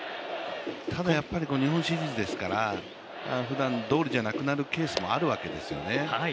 ただやっぱり日本シリーズですから、ふだんどおりじゃなくなるケースもあるわけですよね。